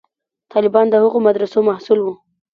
طالبان د هغو مدرسو محصول وو.